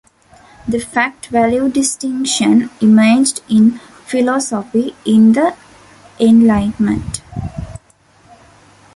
The fact-value distinction emerged in philosophy in the Enlightenment.